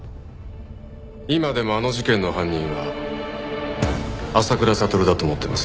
今でもあの事件の犯人は浅倉悟だと思っていますよ。